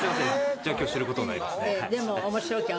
じゃあ今日知る事になりますね。